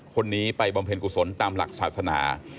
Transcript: คนนี้ไปบำเพ็ญกุศลตามหลักศาสนา